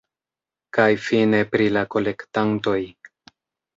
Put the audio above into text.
Kaj fine pri la kolektantoj.